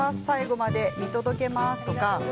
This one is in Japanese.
最後まで見届けます。